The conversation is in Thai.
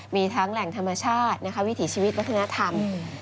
มีทั้งแหล่งธรรมชาติวิถีชีวิตวัฒนธรรม